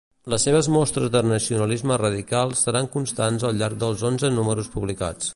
Les seves mostres de nacionalisme radical seran constants al llarg dels onze números publicats.